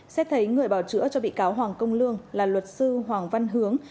xét thấy người bảo chữa cho bị cáo hoàng công lương là luật sư hoàng văn hướng